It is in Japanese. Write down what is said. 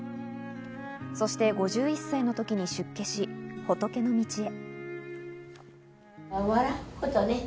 そして５１歳の時に出家し仏の道へ。